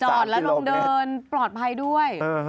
จอดและลงเดินปลอดภัยด้วย